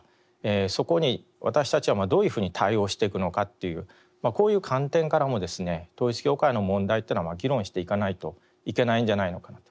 そこに私たちはどういうふうに対応していくのかっていうこういう観点からもですね統一教会の問題っていうのは議論していかないといけないんじゃないのかなと。